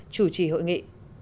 chủ trì hội nghị